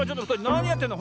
なにやってんの？